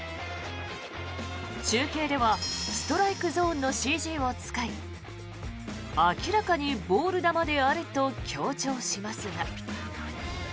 中継ではストライクゾーンのＣＧを使い明らかにボール球であると強調しますが。